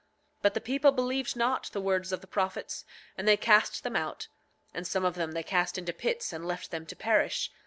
9:29 But the people believed not the words of the prophets, but they cast them out; and some of them they cast into pits and left them to perish.